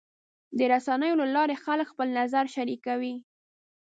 د رسنیو له لارې خلک خپل نظر شریکوي.